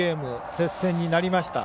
接戦になりました。